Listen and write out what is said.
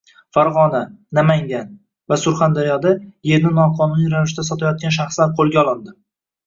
Farg‘ona, Namangan va Surxondaryoda yerni noqonuniy ravishda sotayotgan shaxslar qo‘lga olindi